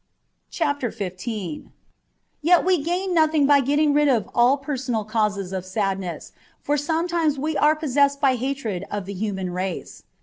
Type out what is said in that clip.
XY. Yet we gain nothing by getting rid of all personal causes of sadness, for sometimes we are possessed by hatred of the human race.